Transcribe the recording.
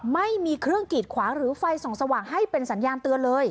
ไม่มีเครื่องกีดขวางหรือไฟส่องสว่างให้เป็นสัญญาณเตือนเลย